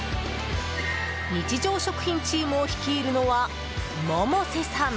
日常食品チームを率いるのは百瀬さん。